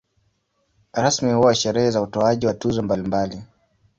Rasmi huwa sherehe za utoaji wa tuzo mbalimbali.